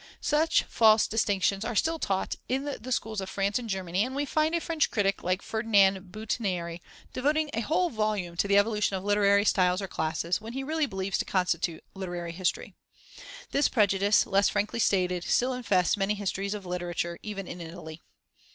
Such false distinctions are still taught in the schools of France and Germany, and we find a French critic like Ferdinand Brunetière devoting a whole volume to the evolution of literary styles or classes, which he really believes to constitute literary history. This prejudice, less frankly stated, still infests many histories of literature, even in Italy.